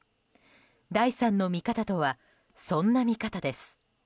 第３の見方とはそんな見方です。